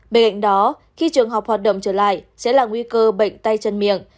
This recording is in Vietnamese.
bên cạnh đó khi trường học hoạt động trở lại sẽ là nguy cơ bệnh tay chân miệng